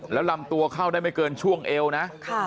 แล้วลำตัวเข้าได้ไม่เกินช่วงเอวนะ